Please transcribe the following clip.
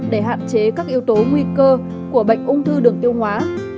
để hạn chế các yếu tố nguy cơ của bệnh ung thư đường tiêu hóa